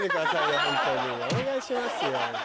お願いしますよ。